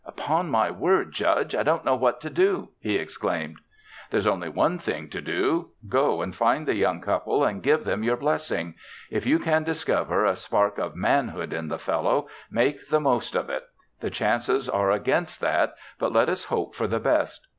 "Upon my word, Judge! I don't know what to do," he exclaimed. "There's only one thing to do. Go and find the young people and give them your blessing. If you can discover a spark of manhood in the fellow, make the most of it. The chances are against that, but let us hope for the best.